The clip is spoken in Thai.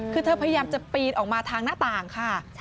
คือเธอพยายามจะปีนออกมาทางหน้าต่างค่ะ